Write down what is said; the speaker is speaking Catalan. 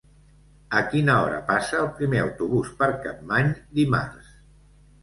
A quina hora passa el primer autobús per Capmany dimarts?